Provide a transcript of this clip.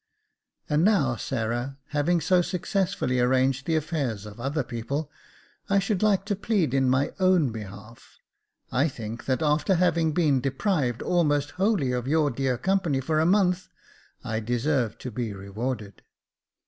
" And now, Sarah, having so successfully arranged the Jacob Faithful 427 affairs of other people, I should like to plead in my own behalf. I think that after having been deprived almost wholly of your dear company for a month, I deserve to be rewarded."